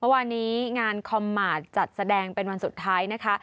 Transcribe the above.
วันนี้งานคอมมาตรจัดแสดงเป็นวันสุดท้ายนะคะ